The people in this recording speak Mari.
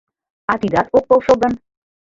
А тидат ок полшо гын?